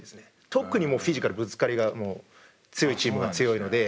特にフィジカルぶつかりが強いチームが強いので。